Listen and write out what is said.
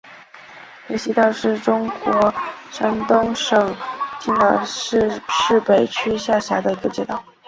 河西街道是中国山东省青岛市市北区下辖的一个街道。